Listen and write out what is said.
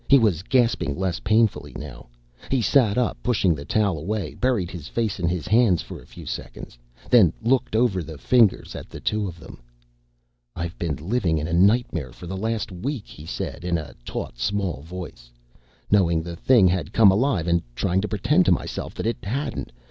He was gasping less painfully now. He sat up, pushing the towel away, buried his face in his hands for a few seconds, then looked over the fingers at the two of them. "I've been living in a nightmare for the last week," he said in a taut small voice, "knowing the thing had come alive and trying to pretend to myself that it hadn't.